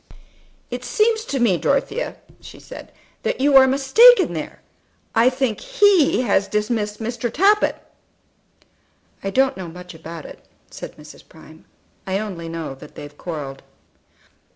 "It seems to me, Dorothea," she said, "that you are mistaken there. I think he has dismissed Mr. Tappitt." "I don't know much about it," said Mrs. Prime; "I only know that they've quarrelled."